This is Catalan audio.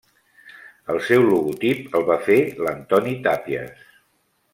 El seu logotip el va fer l'Antoni Tàpies.